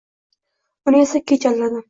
Uni esa kech aldadim.